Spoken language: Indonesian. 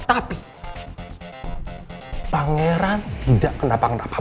tapi pangeran tidak kenapa kenapa